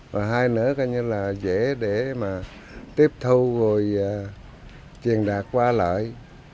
và hai nữa coi như là dễ để mà tiếp thu rồi truyền đạt qua lại